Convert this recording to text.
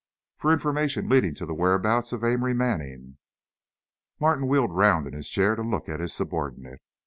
"For information leading to the whereabouts of Amory Manning." Martin wheeled round in his chair to look at his subordinate.